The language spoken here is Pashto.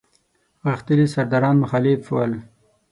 غښتلي سرداران مخالف ول.